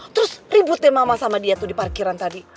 terus ributin mama sama dia tuh di parkiran tadi